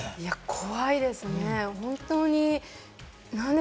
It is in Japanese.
怖いですね。